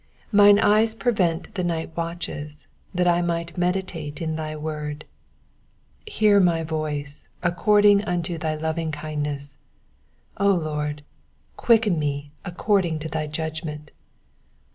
148 Mine eyes prevent the night watches, that I might meditate in thy word. 149 Hear my voice according unto thy lovingkindness : O Lord, quicken me according to thy judgment.